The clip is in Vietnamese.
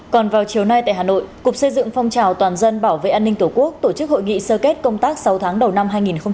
còn vào chiều nay tại hà nội cục xây dựng phong trào toàn dân bảo vệ an ninh tổ quốc tổ chức hội nghị sơ kết công tác sáu tháng đầu năm hai nghìn hai mươi